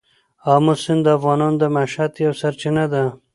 آمو سیند د افغانانو د معیشت یوه سرچینه ده.